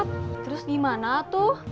terus gimana tuh